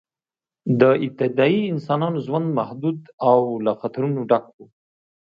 د ابتدایي انسانانو ژوند محدود او له خطرونو ډک و.